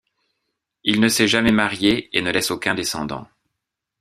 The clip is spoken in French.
Il ne s’est jamais marié et ne laisse aucun descendant.